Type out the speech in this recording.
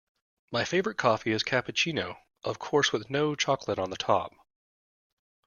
My favourite coffee is cappuccino, of course with no chocolate on the top